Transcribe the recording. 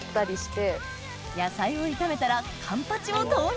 野菜を炒めたらカンパチを投入！